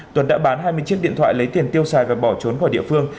tuấn đã bán hai mươi chiếc điện thoại lấy tiền tiêu xài và bỏ trốn khỏi địa phương